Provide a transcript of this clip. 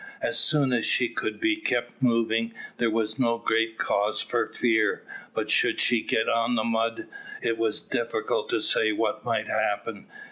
As long as she could be kept moving, there was no great cause for fear; but should she get on the mud, it was difficult to say what might happen.